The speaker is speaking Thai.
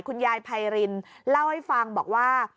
คุณยายไพรินเล่าให้ฟังบอกว่า